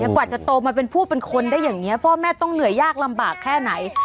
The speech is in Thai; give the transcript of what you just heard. กว่าจะโตมาเป็นผู้เป็นคนได้อย่างนี้พ่อแม่ต้องเหนื่อยยากลำบากแค่ไหน